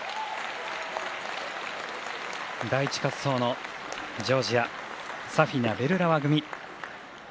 第１滑走のジョージアサフィナ、ベルラワ組。